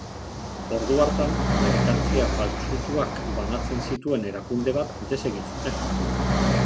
Ordu hartan, merkantzia faltsutuak banatzen zituen erakunde bat desegin zuten.